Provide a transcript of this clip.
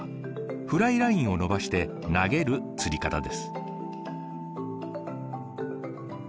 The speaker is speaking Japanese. フライラインを伸ばして投げる釣り方です。